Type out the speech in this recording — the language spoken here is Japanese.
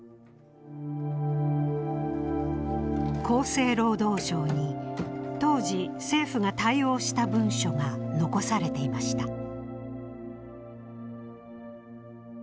厚生労働省に当時政府が対応した文書が残されていました。